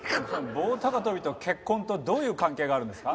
棒高跳びと結婚とどういう関係があるんですか？